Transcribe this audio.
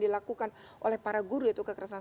dilakukan oleh para guru yaitu kekerasan